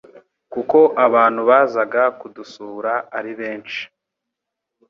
kuko abantu bazaga kudusura ari benshi